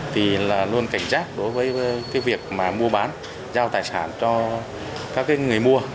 thì luôn cảnh giác đối với việc mua bán giao tài sản cho các người mua